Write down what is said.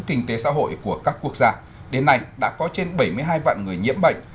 kinh tế xã hội của các quốc gia đến nay đã có trên bảy mươi hai vạn người nhiễm bệnh